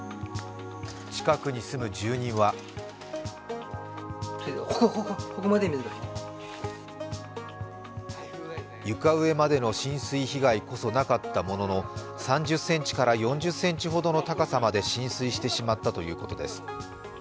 近くに住む住人は床上までの浸水被害こそなかったものの３０４０ｃｍほどの高さまで浸水してしまったということです。